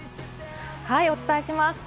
はい、お伝えします。